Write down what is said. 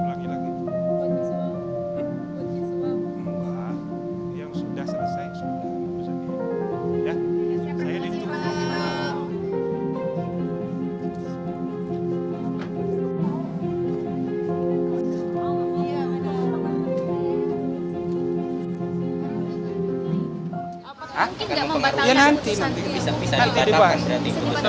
nanti nanti bisa bisa dibuat jadi itu